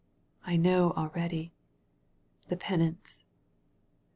... I know already. ••. The penance.